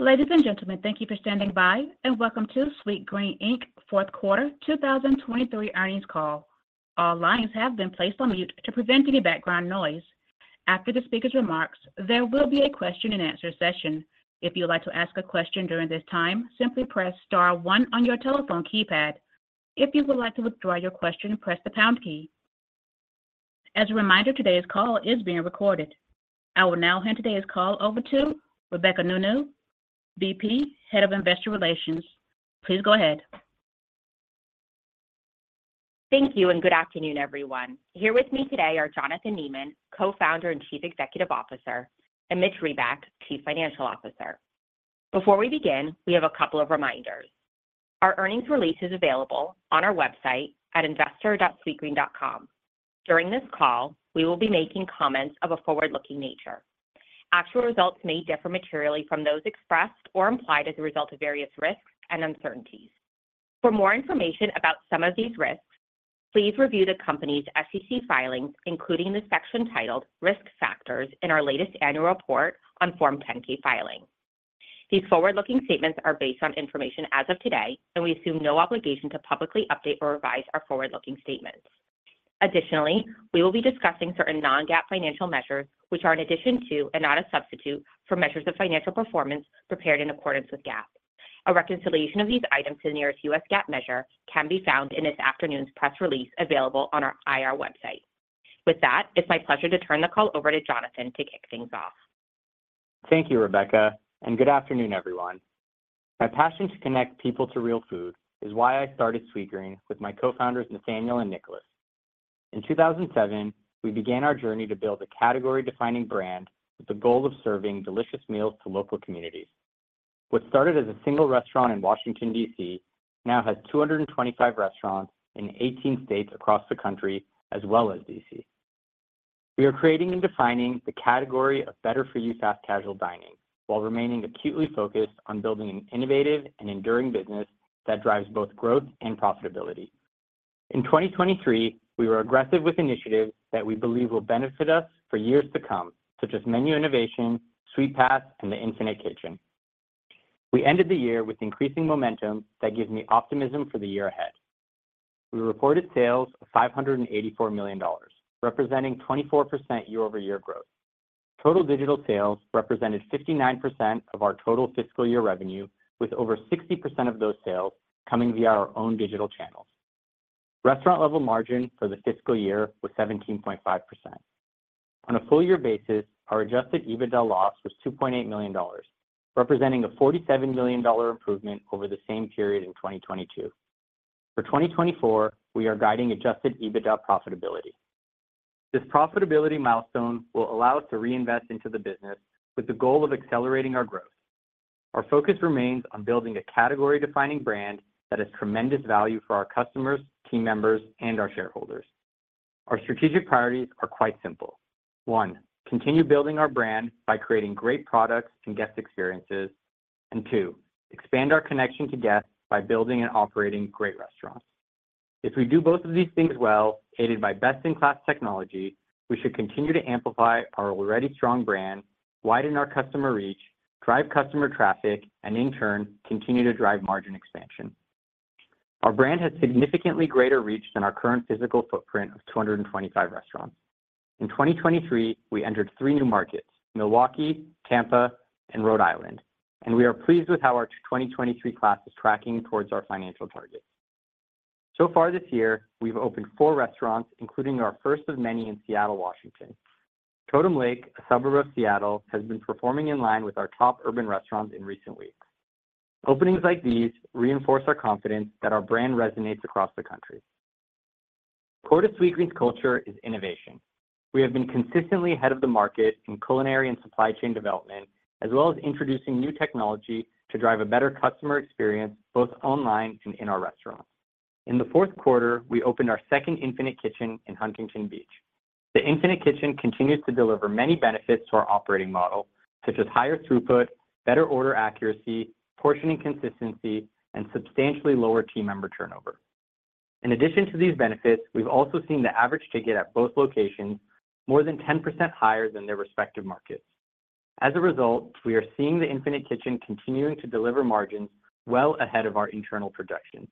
Ladies and gentlemen, thank you for standing by and welcome to Sweetgreen Inc. fourth quarter 2023 earnings call. All lines have been placed on mute to prevent any background noise. After the speaker's remarks, there will be a question-and-answer session. If you would like to ask a question during this time, simply press star one on your telephone keypad. If you would like to withdraw your question, press the pound key. As a reminder, today's call is being recorded. I will now hand today's call over to Rebecca Nounou, VP, Head of Investor Relations. Please go ahead. Thank you and good afternoon, everyone. Here with me today are Jonathan Neman, Co-founder and Chief Executive Officer, and Mitch Reback, Chief Financial Officer. Before we begin, we have a couple of reminders. Our earnings release is available on our website at investor.sweetgreen.com. During this call, we will be making comments of a forward-looking nature. Actual results may differ materially from those expressed or implied as a result of various risks and uncertainties. For more information about some of these risks, please review the company's SEC filings, including the section titled "Risk Factors" in our latest annual report on Form 10-K filing. These forward-looking statements are based on information as of today, and we assume no obligation to publicly update or revise our forward-looking statements. Additionally, we will be discussing certain non-GAAP financial measures, which are an addition to and not a substitute for measures of financial performance prepared in accordance with GAAP. A reconciliation of these items to the nearest U.S. GAAP measure can be found in this afternoon's press release available on our IR website. With that, it's my pleasure to turn the call over to Jonathan to kick things off. Thank you, Rebecca, and good afternoon, everyone. My passion to connect people to real food is why I started Sweetgreen with my co-founders Nathaniel and Nicolas. In 2007, we began our journey to build a category-defining brand with the goal of serving delicious meals to local communities. What started as a single restaurant in Washington, DC, now has 225 restaurants in 18 states across the country, as well as DC. We are creating and defining the category of better-for-you fast casual dining while remaining acutely focused on building an innovative and enduring business that drives both growth and profitability. In 2023, we were aggressive with initiatives that we believe will benefit us for years to come, such as menu innovation, SweetPass, and the Infinite Kitchen. We ended the year with increasing momentum that gives me optimism for the year ahead. We reported sales of $584 million, representing 24% year-over-year growth. Total digital sales represented 59% of our total fiscal year revenue, with over 60% of those sales coming via our own digital channels. Restaurant-level margin for the fiscal year was 17.5%. On a full-year basis, our Adjusted EBITDA loss was $2.8 million, representing a $47 million improvement over the same period in 2022. For 2024, we are guiding Adjusted EBITDA profitability. This profitability milestone will allow us to reinvest into the business with the goal of accelerating our growth. Our focus remains on building a category-defining brand that has tremendous value for our customers, team members, and our shareholders. Our strategic priorities are quite simple: one, continue building our brand by creating great products and guest experiences; and two, expand our connection to guests by building and operating great restaurants. If we do both of these things well, aided by best-in-class technology, we should continue to amplify our already strong brand, widen our customer reach, drive customer traffic, and in turn, continue to drive margin expansion. Our brand has significantly greater reach than our current physical footprint of 225 restaurants. In 2023, we entered three new markets: Milwaukee, Tampa, and Rhode Island, and we are pleased with how our 2023 class is tracking towards our financial targets. So far this year, we've opened four restaurants, including our first of many in Seattle, Washington. Totem Lake, a suburb of Seattle, has been performing in line with our top urban restaurants in recent weeks. Openings like these reinforce our confidence that our brand resonates across the country. Core to Sweetgreen's culture is innovation. We have been consistently ahead of the market in culinary and supply chain development, as well as introducing new technology to drive a better customer experience both online and in our restaurants. In the fourth quarter, we opened our second Infinite Kitchen in Huntington Beach. The Infinite Kitchen continues to deliver many benefits to our operating model, such as higher throughput, better order accuracy, portioning consistency, and substantially lower team member turnover. In addition to these benefits, we've also seen the average ticket at both locations more than 10% higher than their respective markets. As a result, we are seeing the Infinite Kitchen continuing to deliver margins well ahead of our internal projections.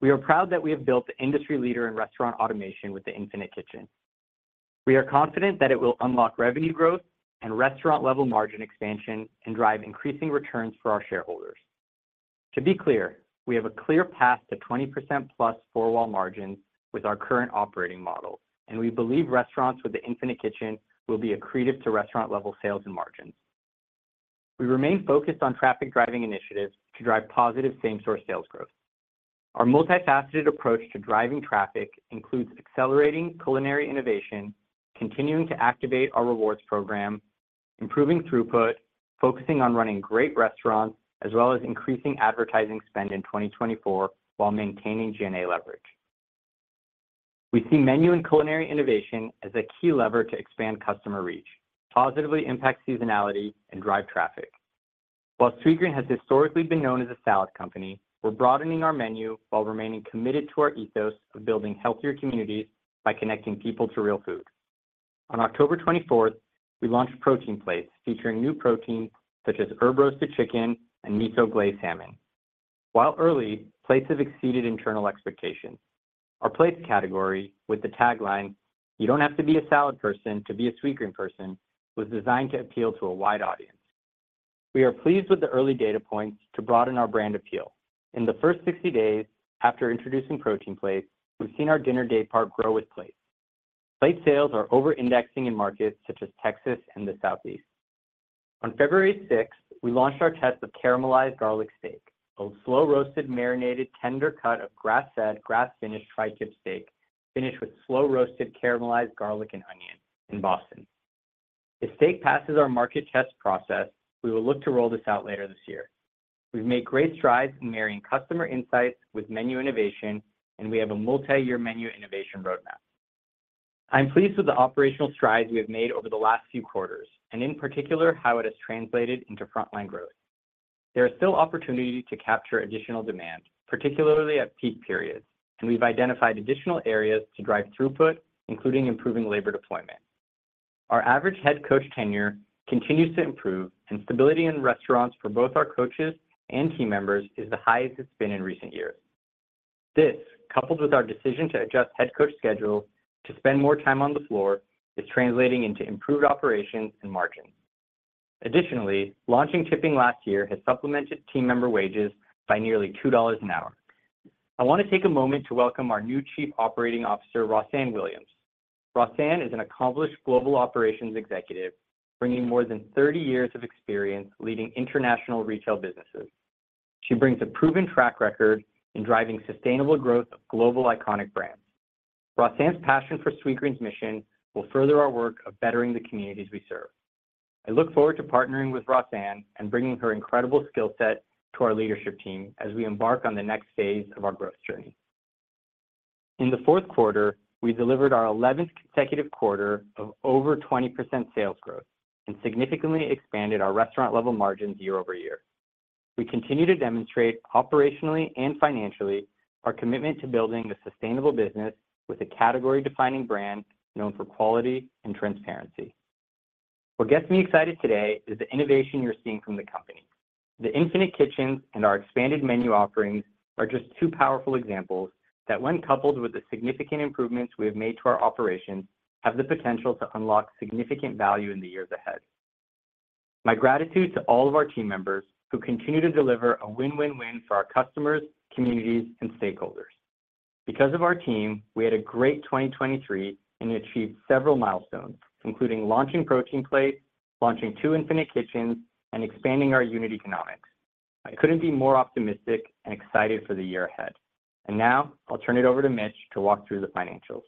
We are proud that we have built the industry leader in restaurant automation with the Infinite Kitchen. We are confident that it will unlock revenue growth and restaurant-level margin expansion and drive increasing returns for our shareholders. To be clear, we have a clear path to 20% plus four-wall margins with our current operating model, and we believe restaurants with the Infinite Kitchen will be accretive to restaurant-Level sales and margins. We remain focused on traffic-driving initiatives to drive positive same-store sales growth. Our multifaceted approach to driving traffic includes accelerating culinary innovation, continuing to activate our rewards program, improving throughput, focusing on running great restaurants, as well as increasing advertising spend in 2024 while maintaining G&A leverage. We see menu and culinary innovation as a key lever to expand customer reach, positively impact seasonality, and drive traffic. While Sweetgreen has historically been known as a salad company, we're broadening our menu while remaining committed to our ethos of building healthier communities by connecting people to real food. On 24 October 2023, we launched Protein Plates featuring new proteins such as herb-roasted chicken and miso-glazed salmon. While early, plates have exceeded internal expectations. Our plates category, with the tagline "You don't have to be a salad person to be a Sweetgreen person," was designed to appeal to a wide audience. We are pleased with the early data points to broaden our brand appeal. In the first 60 days after introducing protein plates, we've seen our dinner day part grow with plates. Plate sales are over-indexing in markets such as Texas and the Southeast. On February 6th, we launched our test of caramelized garlic steak, a slow-roasted, marinated, tender cut of grass-fed, grass-finished tri-tip steak finished with slow-roasted caramelized garlic and onion in Boston. If steak passes our market test process, we will look to roll this out later this year. We've made great strides in marrying customer insights with menu innovation, and we have a multi-year menu innovation roadmap. I'm pleased with the operational strides we have made over the last few quarters, and in particular, how it has translated into frontline growth. There is still opportunity to capture additional demand, particularly at peak periods, and we've identified additional areas to drive throughput, including improving labor deployment. Our average head coach tenure continues to improve, and stability in restaurants for both our coaches and team members is the highest it's been in recent years. This, coupled with our decision to adjust head coach schedules to spend more time on the floor, is translating into improved operations and margins. Additionally, launching tipping last year has supplemented team member wages by nearly $2 an hour. I want to take a moment to welcome our new Chief Operating Officer, Rossann Williams. Rossann is an accomplished global operations executive, bringing more than 30 years of experience leading international retail businesses. She brings a proven track record in driving sustainable growth of global iconic brands. Rossann's passion for Sweetgreen's mission will further our work of bettering the communities we serve. I look forward to partnering with Rossann and bringing her incredible skill set to our leadership team as we embark on the next phase of our growth journey. In the fourth quarter, we delivered our 11th consecutive quarter of over 20% sales growth and significantly expanded our restaurant-level margins year-over-year. We continue to demonstrate operationally and financially our commitment to building a sustainable business with a category-defining brand known for quality and transparency. What gets me excited today is the innovation you're seeing from the company. The Infinite Kitchens and our expanded menu offerings are just two powerful examples that, when coupled with the significant improvements we have made to our operations, have the potential to unlock significant value in the years ahead. My gratitude to all of our team members who continue to deliver a win-win-win for our customers, communities, and stakeholders. Because of our team, we had a great 2023 and achieved several milestones, including launching Protein Plates, launching two Infinite Kitchens, and expanding our unit economics. I couldn't be more optimistic and excited for the year ahead. Now I'll turn it over to Mitch to walk through the financials.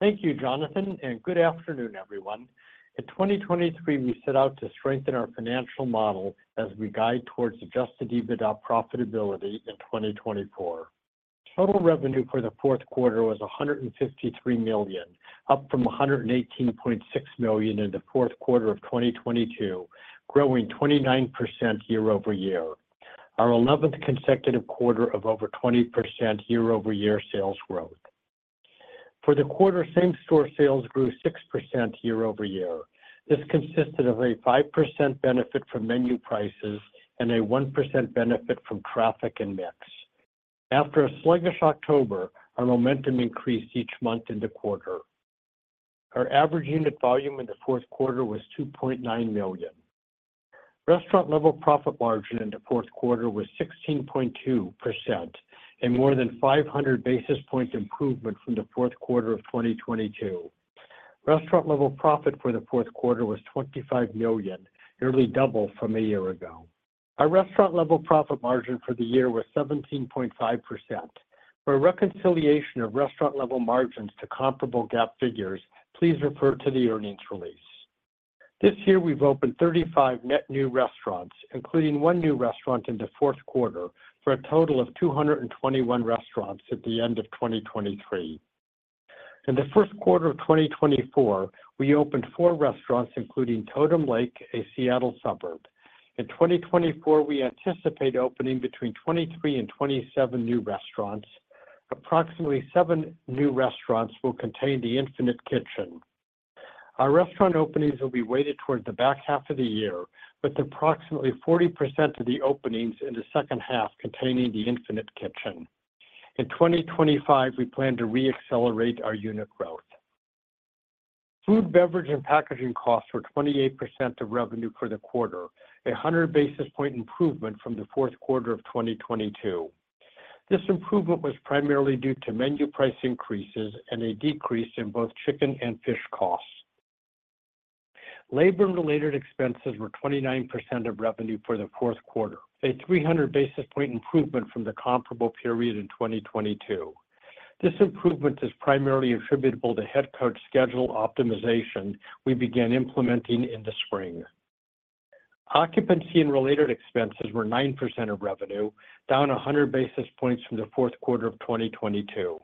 Thank you, Jonathan, and good afternoon, everyone. In 2023, we set out to strengthen our financial model as we guide towards Adjusted EBITDA profitability in 2024. Total revenue for the fourth quarter was $153 million, up from $118.6 million in the fourth quarter of 2022, growing 29% year-over-year, our 11th consecutive quarter of over 20% year-over-year sales growth. For the quarter, same-store sales grew 6% year-over-year. This consisted of a 5% benefit from menu prices and a 1% benefit from traffic and mix. After a sluggish October, our momentum increased each month into quarter. Our average unit volume in the fourth quarter was $2.9 million. Restaurant-level profit margin in the fourth quarter was 16.2%, a more than 500 basis points improvement from the fourth quarter of 2022. Restaurant-level profit for the fourth quarter was $25 million, nearly double from a year ago. Our restaurant-level profit margin for the year was 17.5%. For a reconciliation of restaurant-level margins to comparable GAAP figures, please refer to the earnings release. This year, we've opened 35 net new restaurants, including one new restaurant in the fourth quarter, for a total of 221 restaurants at the end of 2023. In the first quarter of 2024, we opened four restaurants, including Totem Lake, a Seattle suburb. In 2024, we anticipate opening between 23 and 27 new restaurants. Approximately seven new restaurants will contain the Infinite Kitchen. Our restaurant openings will be weighted towards the back half of the year, with approximately 40% of the openings in the second half containing the Infinite Kitchen. In 2025, we plan to reaccelerate our unit growth. Food, beverage, and packaging costs were 28% of revenue for the quarter, a 100 basis point improvement from the fourth quarter of 2022. This improvement was primarily due to menu price increases and a decrease in both chicken and fish costs. Labor-related expenses were 29% of revenue for the fourth quarter, a 300 basis point improvement from the comparable period in 2022. This improvement is primarily attributable to head coach schedule optimization we began implementing in the spring. Occupancy and related expenses were 9% of revenue, down 100 basis points from the fourth quarter of 2022.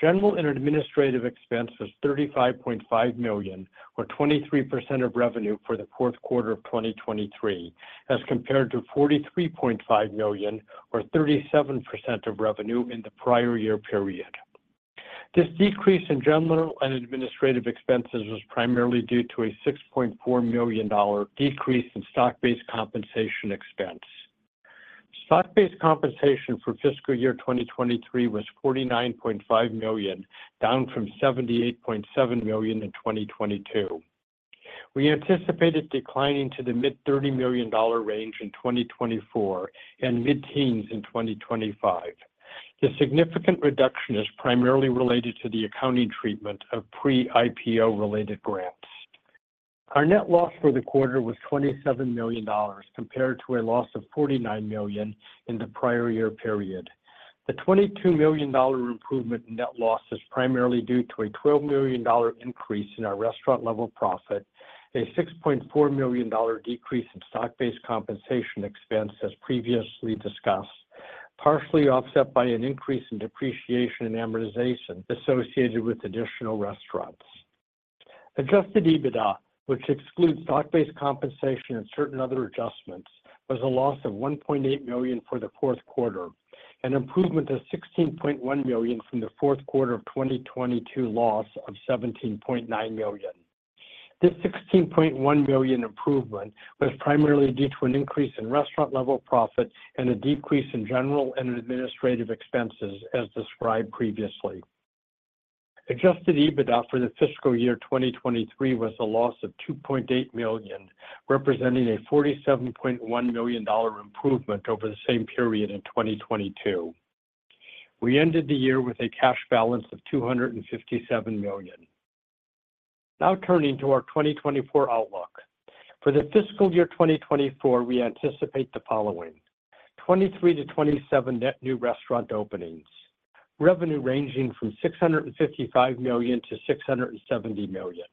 General and administrative expenses $35.5 million were 23% of revenue for the fourth quarter of 2023, as compared to $43.5 million or 37% of revenue in the prior year period. This decrease in general and administrative expenses was primarily due to a $6.4 million decrease in stock-based compensation expense. Stock-based compensation for fiscal year 2023 was $49.5 million, down from $78.7 million in 2022. We anticipate it declining to the mid-$30 million range in 2024 and mid-teens in 2025. This significant reduction is primarily related to the accounting treatment of pre-IPO-related grants. Our net loss for the quarter was $27 million, compared to a loss of $49 million in the prior year period. The $22 million improvement in net loss is primarily due to a $12 million increase in our restaurant-level profit, a $6.4 million decrease in stock-based compensation expense, as previously discussed, partially offset by an increase in depreciation and amortization associated with additional restaurants. Adjusted EBITDA, which excludes stock-based compensation and certain other adjustments, was a loss of $1.8 million for the fourth quarter, an improvement of $16.1 million from the fourth quarter of 2022 loss of $17.9 million. This $16.1 million improvement was primarily due to an increase in restaurant-level profit and a decrease in general and administrative expenses, as described previously. Adjusted EBITDA for the fiscal year 2023 was a loss of $2.8 million, representing a $47.1 million improvement over the same period in 2022. We ended the year with a cash balance of $257 million. Now turning to our 2024 outlook. For the fiscal year 2024, we anticipate the following: 23-27 net new restaurant openings, revenue ranging from $655 to 670 million,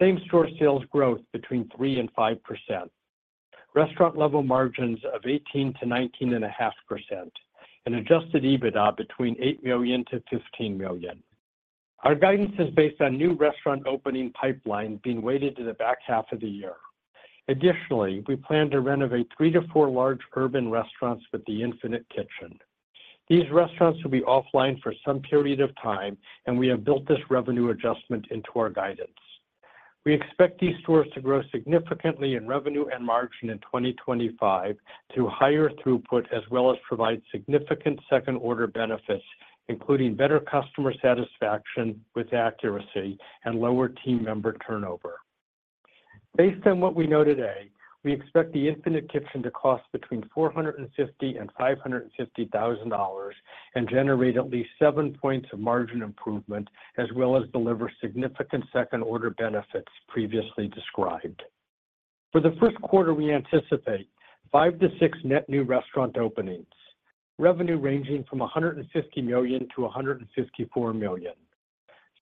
same-store sales growth between 3% to 5%, restaurant-level margins of 18% to 19.5%, and adjusted EBITDA between $8 to 15 million. Our guidance is based on new restaurant opening pipelines being weighted to the back half of the year. Additionally, we plan to renovate 3-4 large urban restaurants with the Infinite Kitchen. These restaurants will be offline for some period of time, and we have built this revenue adjustment into our guidance. We expect these stores to grow significantly in revenue and margin in 2025 through higher throughput, as well as provide significant second-order benefits, including better customer satisfaction with accuracy and lower team member turnover. Based on what we know today, we expect the Infinite Kitchen to cost between $450,000 and $550,000 and generate at least seven points of margin improvement, as well as deliver significant second-order benefits previously described. For the first quarter, we anticipate 5-6 net new restaurant openings, revenue ranging from $150 to 154 million,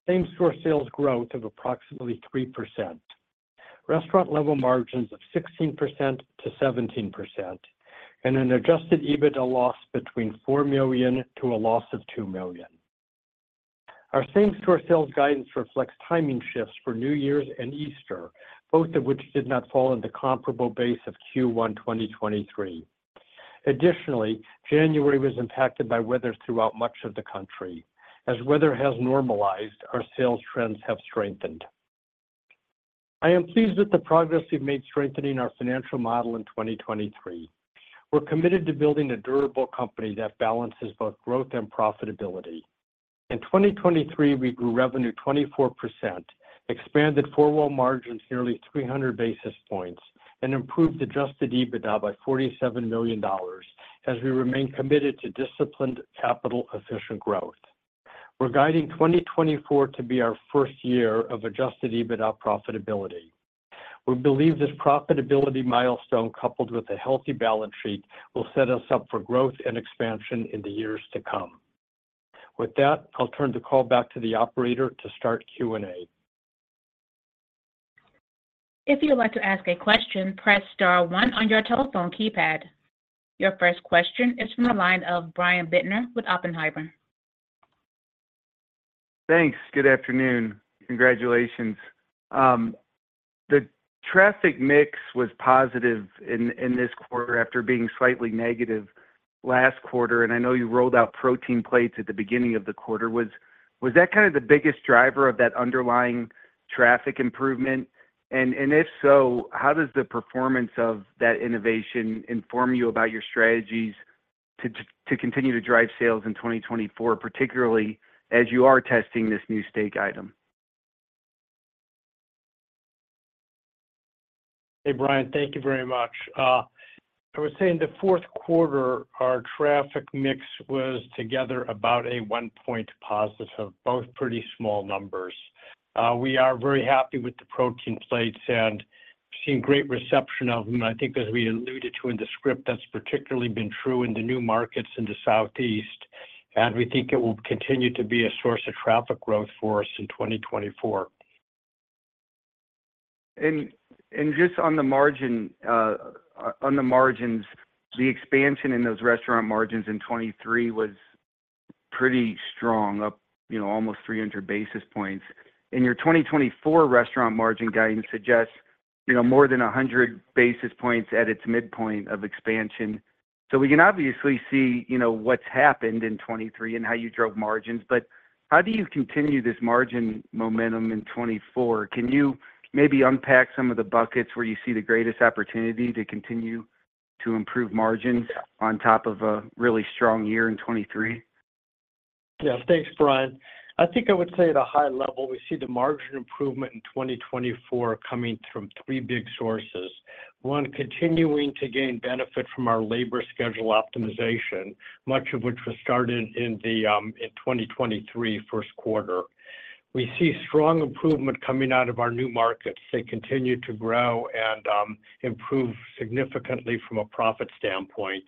same-store sales growth of approximately 3%, restaurant-level margins of 16% to 17%, and an Adjusted EBITDA loss between $4 million to a loss of $2 million. Our Same-Store Sales guidance reflects timing shifts for New Year's and Easter, both of which did not fall into the comparable base of first quarter 2023. Additionally, January was impacted by weather throughout much of the country. As weather has normalized, our sales trends have strengthened. I am pleased with the progress we've made strengthening our financial model in 2023. We're committed to building a durable company that balances both growth and profitability. In 2023, we grew revenue 24%, expanded four-wall margins nearly 300 basis points, and improved Adjusted EBITDA by $47 million as we remain committed to disciplined, capital-efficient growth. We're guiding 2024 to be our first year of Adjusted EBITDA profitability. We believe this profitability milestone, coupled with a healthy balance sheet, will set us up for growth and expansion in the years to come. With that, I'll turn the call back to the operator to start Q&A. If you would like to ask a question, press star one on your telephone keypad. Your first question is from the line of Brian Bittner with Oppenheimer. Thanks. Good afternoon. Congratulations. The traffic mix was positive in this quarter after being slightly negative last quarter, and I know you rolled out Protein Plates at the beginning of the quarter. Was that kind of the biggest driver of that underlying traffic improvement? And if so, how does the performance of that innovation inform you about your strategies to continue to drive sales in 2024, particularly as you are testing this new steak item? Hey, Brian. Thank you very much. I would say in the fourth quarter, our traffic mix was together about a 1-point positive, both pretty small numbers. We are very happy with the Protein Plates, and we're seeing great reception of them. And I think, as we alluded to in the script, that's particularly been true in the new markets in the Southeast, and we think it will continue to be a source of traffic growth for us in 2024. Just on the margins, the expansion in those restaurant margins in 2023 was pretty strong, up almost 300 basis points. Your 2024 restaurant margin guidance suggests more than 100 basis points at its midpoint of expansion. We can obviously see what's happened in 2023 and how you drove margins, but how do you continue this margin momentum in 2024? Can you maybe unpack some of the buckets where you see the greatest opportunity to continue to improve margins on top of a really strong year in 2023? Yeah. Thanks, Brian. I think I would say, at a high level, we see the margin improvement in 2024 coming from three big sources. One, continuing to gain benefit from our labor schedule optimization, much of which was started in 2023 first quarter. We see strong improvement coming out of our new markets. They continue to grow and improve significantly from a profit standpoint.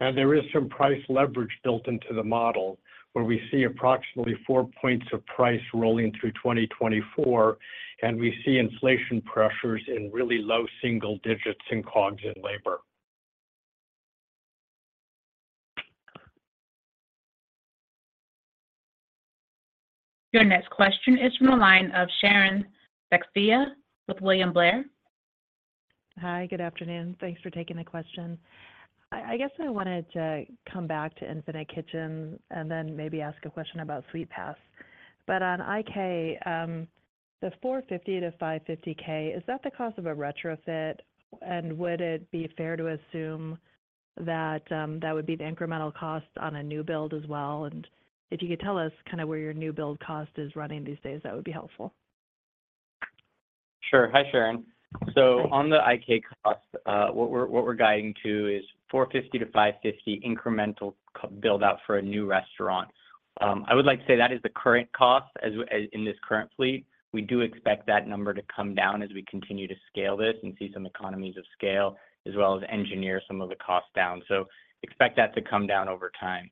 And there is some price leverage built into the model, where we see approximately four points of price rolling through 2024, and we see inflation pressures in really low single digits in COGS and labor. Your next question is from the line of Sharon Zackfia with William Blair. Hi. Good afternoon. Thanks for taking the question. I guess I wanted to come back to Infinite Kitchen and then maybe ask a question about SweetPass. But on IK, the $450,000 to 550,000, is that the cost of a retrofit? And would it be fair to assume that that would be the incremental cost on a new build as well? And if you could tell us kind of where your new build cost is running these days, that would be helpful. Sure. Hi, Sharon. So on the IK cost, what we're guiding to is $450,000 to 550,000 incremental build-out for a new restaurant. I would like to say that is the current cost in this current fleet. We do expect that number to come down as we continue to scale this and see some economies of scale, as well as engineer some of the costs down. So expect that to come down over time.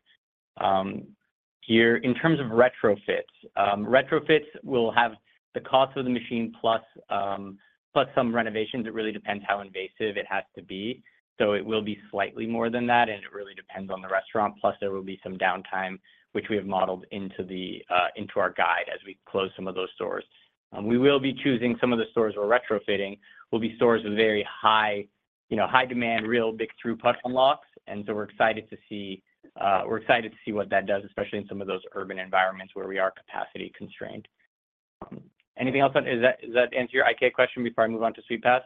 Here, in terms of retrofits, retrofits will have the cost of the machine plus some renovations. It really depends how invasive it has to be. So it will be slightly more than that, and it really depends on the restaurant. Plus, there will be some downtime, which we have modeled into our guide as we close some of those stores. We will be choosing some of the stores we're retrofitting will be stores with very high demand, real big throughput unlocks. And so we're excited to see what that does, especially in some of those urban environments where we are capacity constrained. Anything else? Does that answer your IK question before I move on to SweetPass?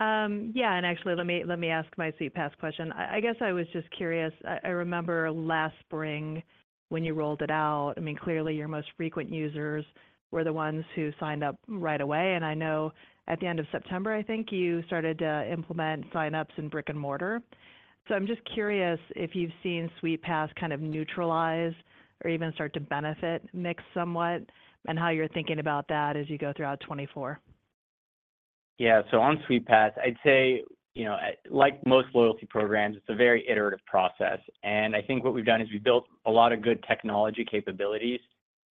Yeah. And actually, let me ask my SweetPass question. I guess I was just curious. I remember last spring, when you rolled it out, I mean, clearly, your most frequent users were the ones who signed up right away. And I know at the end of September, I think, you started to implement sign-ups in brick and mortar. So I'm just curious if you've seen SweetPass kind of neutralize or even start to benefit mix somewhat and how you're thinking about that as you go throughout 2024. Yeah. So on SweetPass, I'd say, like most loyalty programs, it's a very iterative process. And I think what we've done is we've built a lot of good technology capabilities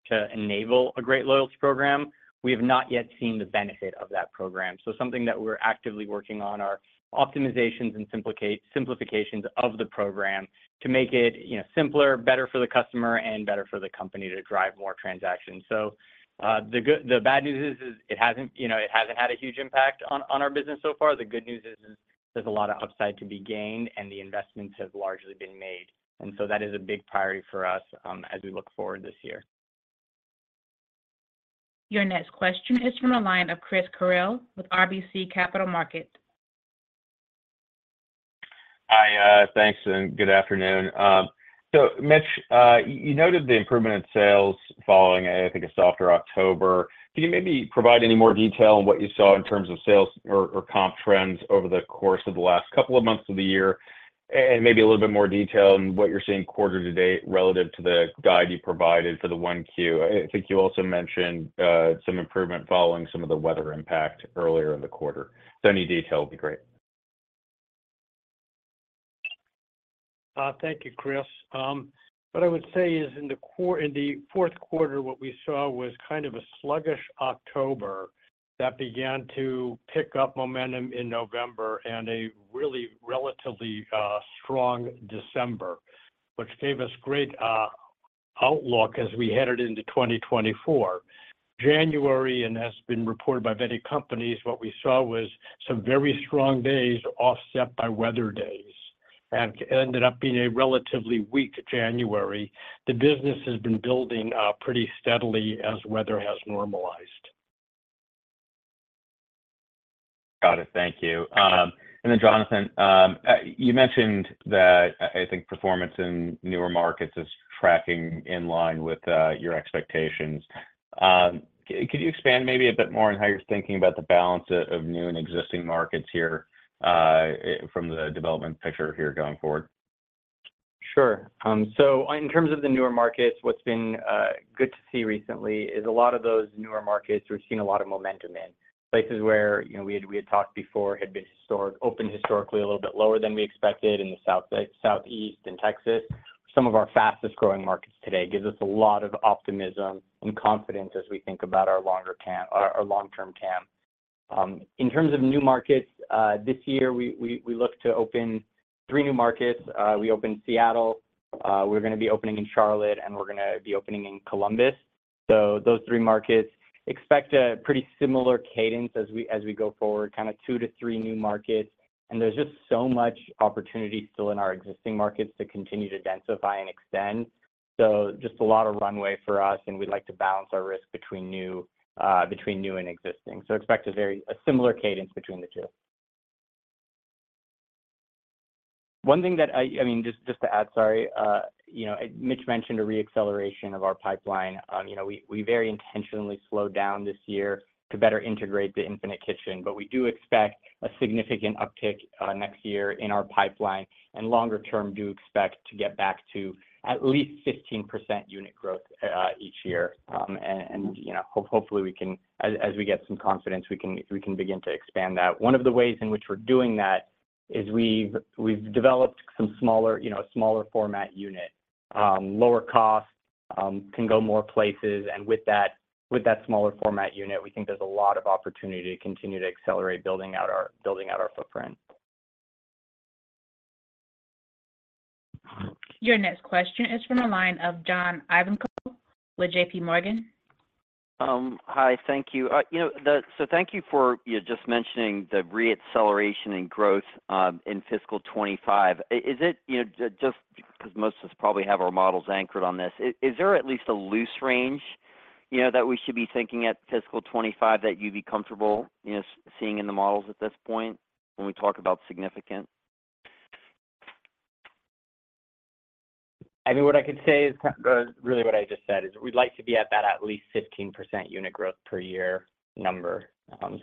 to enable a great loyalty program. We have not yet seen the benefit of that program. So something that we're actively working on are optimizations and simplifications of the program to make it simpler, better for the customer, and better for the company to drive more transactions. So the bad news is it hasn't had a huge impact on our business so far. The good news is there's a lot of upside to be gained, and the investments have largely been made. And so that is a big priority for us as we look forward this year. Your next question is from the line of Chris Carril with RBC Capital Markets. Hi. Thanks, and good afternoon. So Mitch, you noted the improvement in sales following, I think, a softer October. Can you maybe provide any more detail on what you saw in terms of sales or comp trends over the course of the last couple of months of the year and maybe a little bit more detail on what you're seeing quarter to date relative to the guide you provided for the 1Q? I think you also mentioned some improvement following some of the weather impact earlier in the quarter. So any detail would be great. Thank you, Chris. What I would say is in the fourth quarter, what we saw was kind of a sluggish October that began to pick up momentum in November and a really relatively strong December, which gave us great outlook as we headed into 2024. January, and as has been reported by many companies, what we saw was some very strong days offset by weather days and ended up being a relatively weak January. The business has been building pretty steadily as weather has normalized. Got it. Thank you. And then, Jonathan, you mentioned that, I think, performance in newer markets is tracking in line with your expectations. Could you expand maybe a bit more on how you're thinking about the balance of new and existing markets here from the development picture here going forward? Sure. So in terms of the newer markets, what's been good to see recently is a lot of those newer markets, we've seen a lot of momentum in. Places where we had talked before had been open historically a little bit lower than we expected in the Southeast and Texas, some of our fastest-growing markets today give us a lot of optimism and confidence as we think about our long-term TAM. In terms of new markets, this year, we look to open three new markets. We opened Seattle. We're going to be opening in Charlotte, and we're going to be opening in Columbus. So those three markets, expect a pretty similar cadence as we go forward, kind of two to three new markets. And there's just so much opportunity still in our existing markets to continue to densify and extend. So, just a lot of runway for us, and we'd like to balance our risk between new and existing. So, expect a similar cadence between the two. One thing that I mean, just to add, sorry, Mitch mentioned a reacceleration of our pipeline. We very intentionally slowed down this year to better integrate the Infinite Kitchen, but we do expect a significant uptick next year in our pipeline and longer-term do expect to get back to at least 15% unit growth each year. And hopefully, as we get some confidence, we can begin to expand that. One of the ways in which we're doing that is we've developed a smaller format unit, lower cost, can go more places. And with that smaller format unit, we think there's a lot of opportunity to continue to accelerate building out our footprint. Your next question is from the line of John Ivankoe with JPMorgan. Hi. Thank you. So thank you for just mentioning the reacceleration and growth in fiscal 2025. Is it just because most of us probably have our models anchored on this? Is there at least a loose range that we should be thinking at fiscal 2025 that you'd be comfortable seeing in the models at this point when we talk about significant? I mean, what I could say is really what I just said is we'd like to be at that at least 15% unit growth per year number.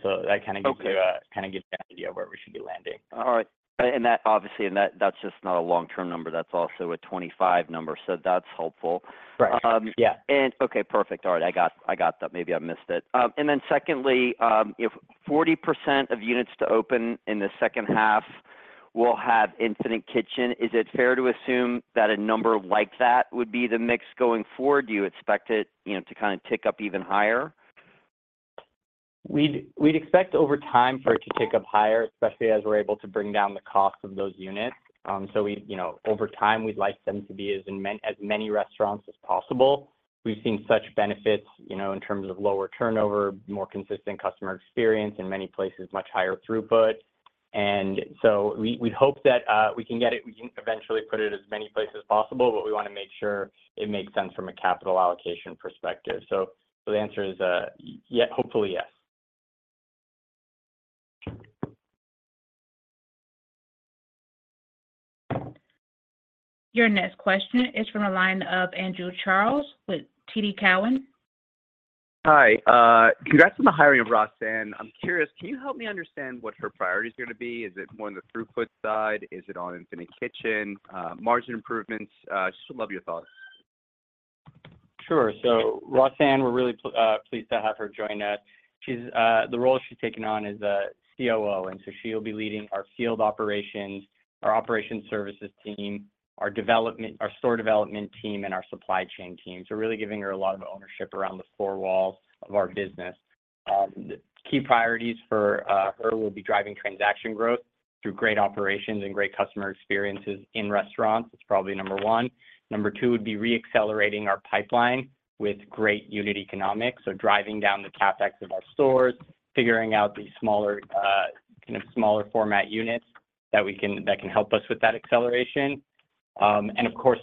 So that kind of gives you a kind of gives you an idea of where we should be landing. All right. And obviously, that's just not a long-term number. That's also a 2025 number. So that's helpful. And okay. Perfect. All right. I got that. Maybe I missed it. And then secondly, 40% of units to open in the second half will have Infinite Kitchen. Is it fair to assume that a number like that would be the mix going forward? Do you expect it to kind of tick up even higher? We'd expect over time for it to tick up higher, especially as we're able to bring down the cost of those units. So over time, we'd like them to be as many restaurants as possible. We've seen such benefits in terms of lower turnover, more consistent customer experience, in many places, much higher throughput. And so we'd hope that we can get it we can eventually put it as many places possible, but we want to make sure it makes sense from a capital allocation perspective. So the answer is, hopefully, yes. Your next question is from the line of Andrew Charles with TD Cowen. Hi. Congrats on the hiring of Rossann. I'm curious, can you help me understand what her priorities are going to be? Is it more on the throughput side? Is it on Infinite Kitchen? Margin improvements? Just would love your thoughts. Sure. So Rossann, we're really pleased to have her join us. The role she's taken on is COO, and so she'll be leading our field operations, our operations services team, our store development team, and our supply chain team. So really giving her a lot of ownership around the four walls of our business. Key priorities for her will be driving transaction growth through great operations and great customer experiences in restaurants. That's probably number one. Number two would be reaccelerating our pipeline with great unit economics, so driving down the CapEx of our stores, figuring out the kind of smaller format units that can help us with that acceleration. And of course,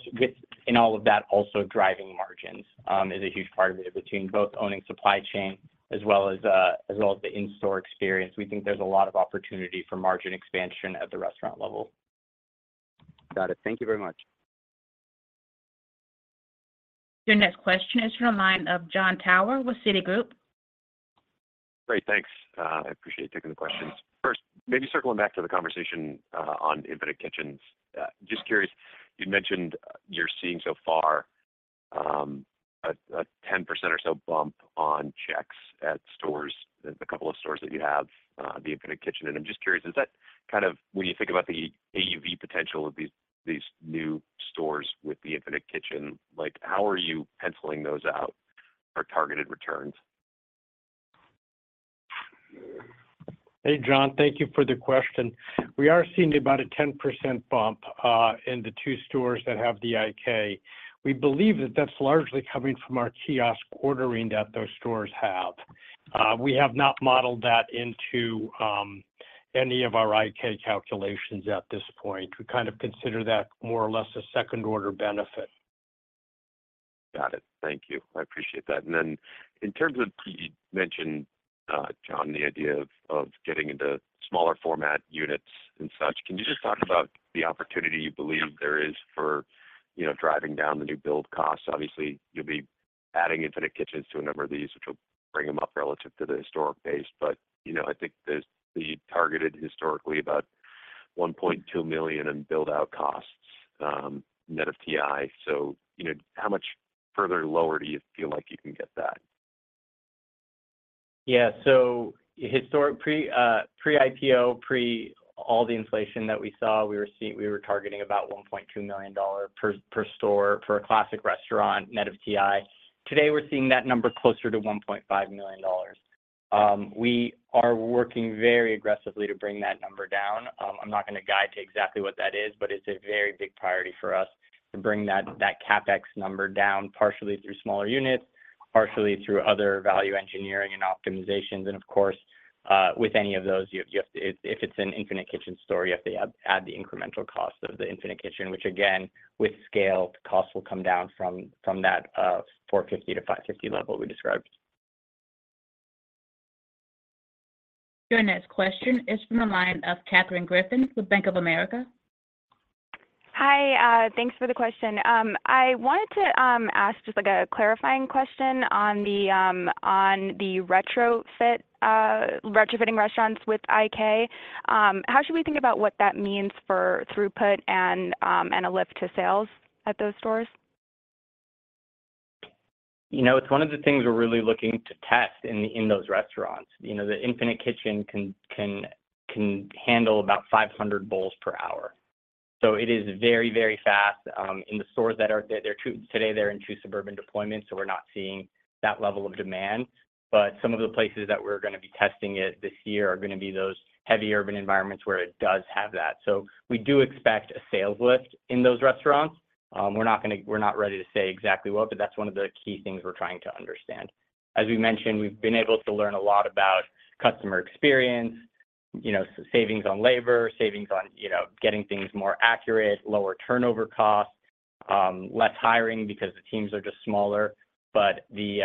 in all of that, also driving margins is a huge part of it between both owning supply chain as well as the in-store experience. We think there's a lot of opportunity for margin expansion at the restaurant level. Got it. Thank you very much. Your next question is from the line of Jon Tower with Citigroup. Great. Thanks. I appreciate taking the questions. First, maybe circling back to the conversation on Infinite Kitchen, just curious, you mentioned you're seeing so far a 10% or so bump on checks at a couple of stores that you have, the Infinite Kitchen. And I'm just curious, is that kind of when you think about the AUV potential of these new stores with the Infinite Kitchen, how are you penciling those out or targeted returns? Hey, Jon. Thank you for the question. We are seeing about a 10% bump in the two stores that have the IK. We believe that that's largely coming from our kiosk ordering that those stores have. We have not modeled that into any of our IK calculations at this point. We kind of consider that more or less a second-order benefit. Got it. Thank you. I appreciate that. And then in terms of you mentioned, John, the idea of getting into smaller format units and such, can you just talk about the opportunity you believe there is for driving down the new build costs? Obviously, you'll be adding Infinite Kitchens to a number of these, which will bring them up relative to the historic base. But I think the targeted historically about $1.2 million in build-out costs net of TI. So how much further lower do you feel like you can get that? Yeah. So pre-IPO, pre-all the inflation that we saw, we were targeting about $1.2 million per store for a classic restaurant net of TI. Today, we're seeing that number closer to $1.5 million. We are working very aggressively to bring that number down. I'm not going to guide to exactly what that is, but it's a very big priority for us to bring that CapEx number down partially through smaller units, partially through other value engineering and optimizations. And of course, with any of those, if it's an Infinite Kitchen store, you have to add the incremental cost of the Infinite Kitchen, which again, with scale, costs will come down from that $450 to 550 level we described. Your next question is from the line of Katherine Griffin with Bank of America. Hi. Thanks for the question. I wanted to ask just a clarifying question on the retrofitting restaurants with IK. How should we think about what that means for throughput and a lift to sales at those stores? It's one of the things we're really looking to test in those restaurants. The Infinite Kitchen can handle about 500 bowls per hour. So it is very, very fast. In the stores that are today, they're in two suburban deployments, so we're not seeing that level of demand. But some of the places that we're going to be testing it this year are going to be those heavy urban environments where it does have that. So we do expect a sales lift in those restaurants. We're not ready to say exactly what, but that's one of the key things we're trying to understand. As we mentioned, we've been able to learn a lot about customer experience, savings on labor, savings on getting things more accurate, lower turnover costs, less hiring because the teams are just smaller. But the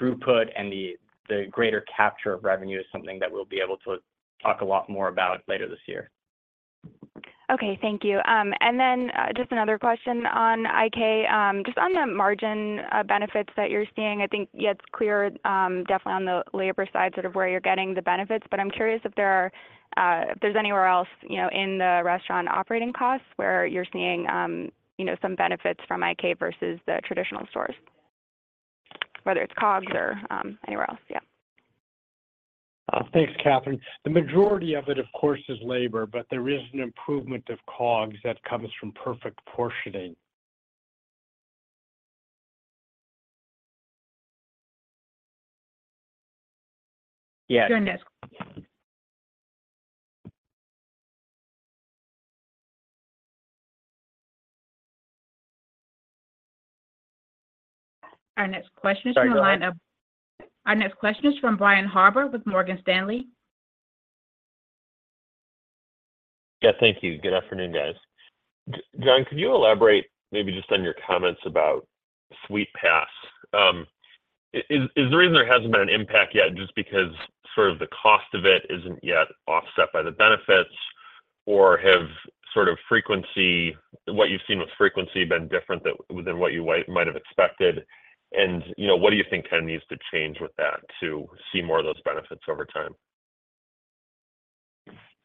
throughput and the greater capture of revenue is something that we'll be able to talk a lot more about later this year. Okay. Thank you. And then just another question on IK, just on the margin benefits that you're seeing. I think, yeah, it's clear definitely on the labor side sort of where you're getting the benefits. But I'm curious if there's anywhere else in the restaurant operating costs where you're seeing some benefits from IK versus the traditional stores, whether it's COGS or anywhere else. Yeah. Thanks, Katherine. The majority of it, of course, is labor, but there is an improvement of COGS that comes from perfect portioning. Yes. Our next question is from the line of Brian Harbour with Morgan Stanley. Yeah. Thank you. Good afternoon, guys. John, could you elaborate maybe just on your comments about SweetPass? Is the reason there hasn't been an impact yet just because sort of the cost of it isn't yet offset by the benefits, or have sort of what you've seen with frequency been different than what you might have expected? What do you think kind of needs to change with that to see more of those benefits over time?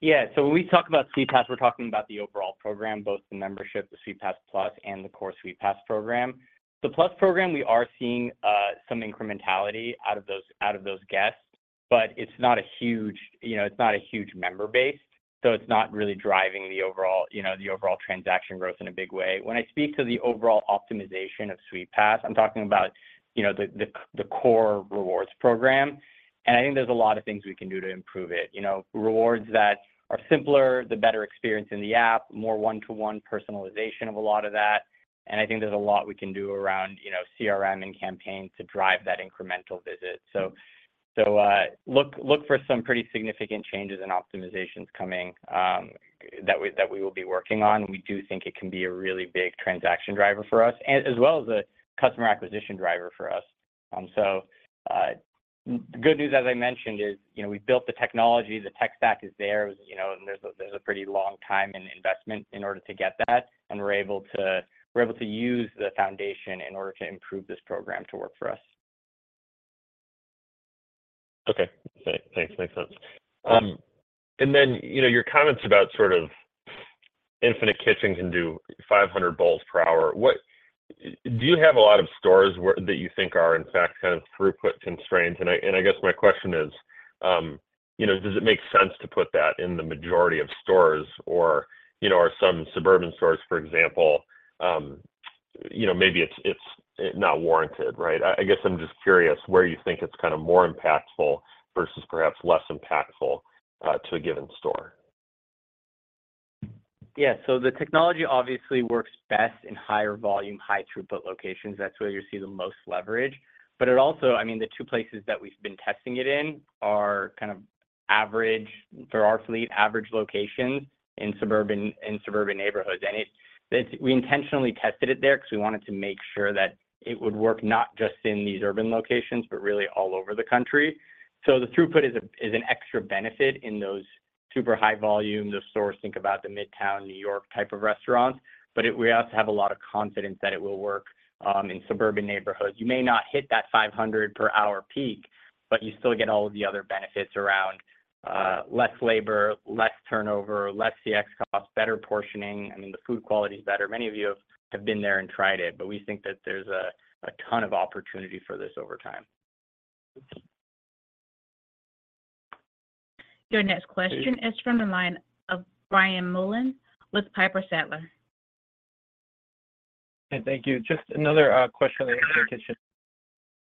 Yeah. So when we talk about SweetPass, we're talking about the overall program, both the membership, the SweetPass Plus, and the core SweetPass program. The Plus program, we are seeing some incrementality out of those guests, but it's not a huge member base, so it's not really driving the overall transaction growth in a big way. When I speak to the overall optimization of SweetPass, I'm talking about the core rewards program. And I think there's a lot of things we can do to improve it, rewards that are simpler, the better experience in the app, more one-to-one personalization of a lot of that. And I think there's a lot we can do around CRM and campaigns to drive that incremental visit. So look for some pretty significant changes and optimizations coming that we will be working on. We do think it can be a really big transaction driver for us as well as a customer acquisition driver for us. So the good news, as I mentioned, is we've built the technology. The tech stack is there. And there's a pretty long time and investment in order to get that. And we're able to use the foundation in order to improve this program to work for us. Okay. Thanks. Makes sense. And then your comments about sort of Infinite Kitchen can do 500 bowls per hour, do you have a lot of stores that you think are, in fact, kind of throughput constraints? And I guess my question is, does it make sense to put that in the majority of stores, or are some suburban stores, for example, maybe it's not warranted, right? I guess I'm just curious where you think it's kind of more impactful versus perhaps less impactful to a given store. Yeah. So the technology obviously works best in higher volume, high throughput locations. That's where you'll see the most leverage. But I mean, the two places that we've been testing it in are kind of average for our fleet, average locations in suburban neighborhoods. And we intentionally tested it there because we wanted to make sure that it would work not just in these urban locations, but really all over the country. So the throughput is an extra benefit in those super high volume, those store - think about the Midtown, New York type of restaurants - but we also have a lot of confidence that it will work in suburban neighborhoods. You may not hit that 500/hour peak, but you still get all of the other benefits around less labor, less turnover, less CX costs, better portioning. I mean, the food quality is better. Many of you have been there and tried it, but we think that there's a ton of opportunity for this over time. Your next question is from the line of Brian Mullan with Piper Sandler. Hey, thank you. Just another question on the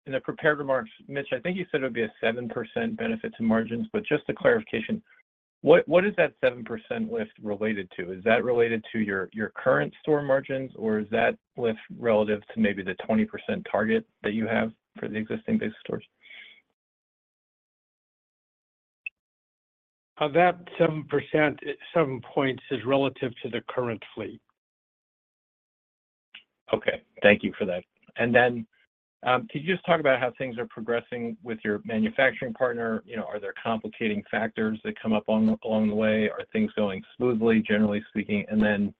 Infinite Kitchen. In the prepared remarks, Mitch, I think you said it would be a 7% benefit to margins. But just a clarification, what is that 7% lift related to? Is that related to your current store margins, or is that lift relative to maybe the 20% target that you have for the existing base of stores? That 7%, seven points is relative to the current fleet. Okay. Thank you for that. And then could you just talk about how things are progressing with your manufacturing partner? Are there complicating factors that come up along the way? Are things going smoothly, generally speaking? And then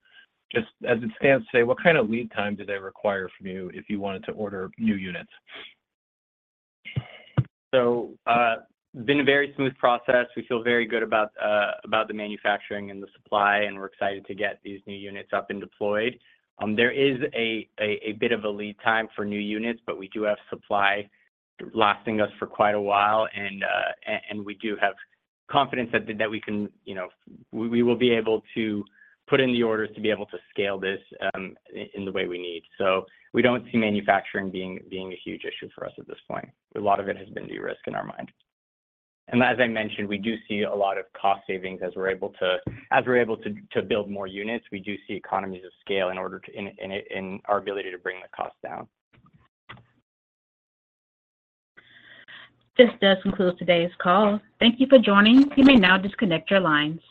just as it stands today, what kind of lead time do they require from you if you wanted to order new units? So it's been a very smooth process. We feel very good about the manufacturing and the supply, and we're excited to get these new units up and deployed. There is a bit of a lead time for new units, but we do have supply lasting us for quite a while. We do have confidence that we will be able to put in the orders to be able to scale this in the way we need. So we don't see manufacturing being a huge issue for us at this point. A lot of it has been de-risked in our mind. And as I mentioned, we do see a lot of cost savings as we're able to build more units; we do see economies of scale in our ability to bring the cost down. This does conclude today's call. Thank you for joining. You may now disconnect your lines.